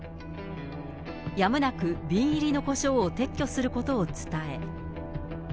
やむなく瓶入りのコショウを撤去することを伝え。